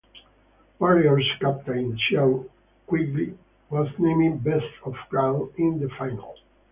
Warriors captain Cian Quigley was named Best on Ground in the final.